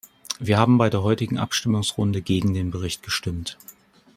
Wir haben bei der heutigen Abstimmungsrunde gegen den Bericht gestimmt.